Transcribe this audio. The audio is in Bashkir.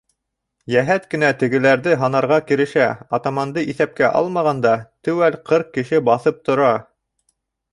Йәһәт кенә тегеләрҙе һанарға керешә, атаманды иҫәпкә алмағанда, теүәл ҡырҡ кеше баҫып тора.